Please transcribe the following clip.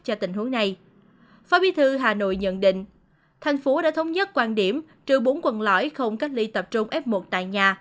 cho tình huống này phó bí thư hà nội nhận định thành phố đã thống nhất quan điểm trừ bốn quận lõi không cách ly tập trung f một tại nhà